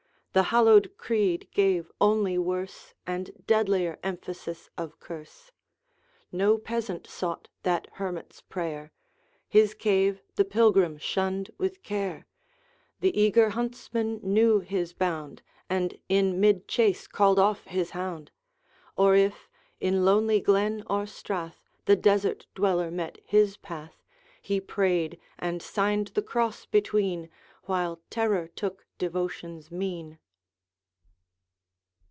The hallowed creed gave only worse And deadlier emphasis of curse. No peasant sought that Hermit's prayer His cave the pilgrim shunned with care, The eager huntsman knew his bound And in mid chase called off his hound;' Or if, in lonely glen or strath, The desert dweller met his path He prayed, and signed the cross between, While terror took devotion's mien.